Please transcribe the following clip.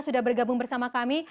sudah bergabung bersama kami